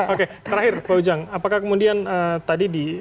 oke terakhir pak ujang apakah kemudian tadi di